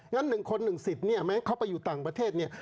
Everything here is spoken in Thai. ๑คน๑สิทธิ์เนี่ยแม้เขาไปอยู่ต่างประเทศเนี่ย